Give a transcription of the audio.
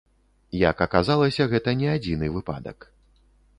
Як аказалася, гэта не адзіны выпадак.